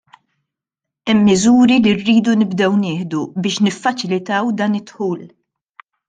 Hemm miżuri li rridu nibdew nieħdu biex niffaċilitaw dan id-dħul.